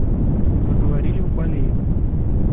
Вы говорили, он болеет.